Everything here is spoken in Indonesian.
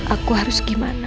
aku harus gimana